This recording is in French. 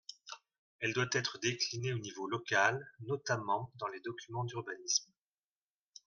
Elle doit être déclinée au niveau local, notamment dans les documents d’urbanisme.